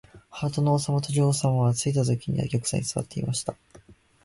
ハートの王さまと女王さまは、ついたときには玉座にすわっていました。